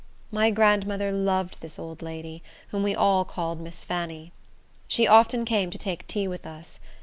My grandmother loved this old lady, whom we all called Miss Fanny. She often came to take tea with us.